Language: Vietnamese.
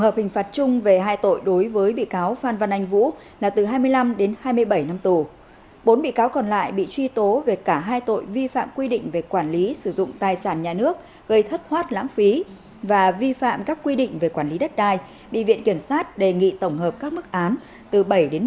bảy bị cáo bị truy tố về tội vi phạm quy định về quản lý sử dụng tài sản nhà nước gây thất thoát lãng phí các mức án đề nghị từ hai một mươi năm tù